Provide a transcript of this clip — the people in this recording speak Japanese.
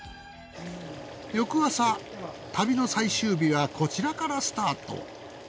翌朝旅の最終日はこちらからスタート。